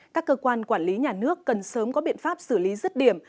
các cơ quan quản lý nhà nước cần sớm có biện pháp xử lý rứt điểm